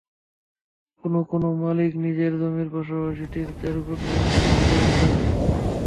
কোনো কোনো মালিক নিজের জমির পাশাপাশি তিন-চার গুণ জমি দখল করেছেন।